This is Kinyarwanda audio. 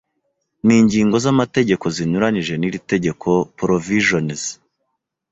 n ingingo z amategeko zinyuranyije n iri tegeko provisions